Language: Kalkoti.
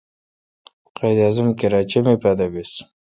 قائد اعظم کراچہ می پادو بیس۔